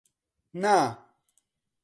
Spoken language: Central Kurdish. نا.